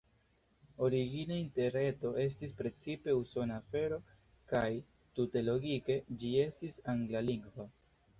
Origine Interreto estis precipe usona afero kaj, tute logike, ĝi estis anglalingva.